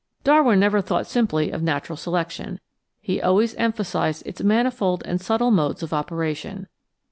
Darwin never thought simply of Natural Selection ; he always emphasised its m^f old and subtle modes of operation.